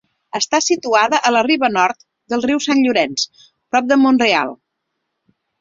Està situada a la riba nord del riu Sant Llorenç, prop de Mont-real.